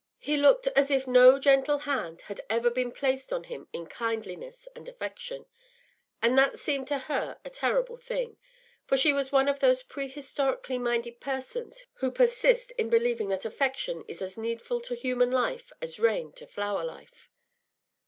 He looked as if no gentle hand had ever been placed on him in kindliness and affection, and that seemed to her a terrible thing; for she was one of those prehistorically minded persons who persist in believing that affection is as needful to human life as rain to flower life.